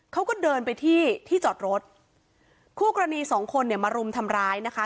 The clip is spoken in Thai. เขาก็เดินไปที่ที่จอดรถคู่กรณีสองคนเนี่ยมารุมทำร้ายนะคะ